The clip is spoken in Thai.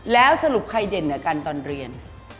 แล้วสรุปใครเด่นเหนือกันตอนเรียน